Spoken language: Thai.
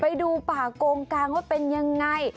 ไปดูป่าโกงกางว่าเป็นยังไง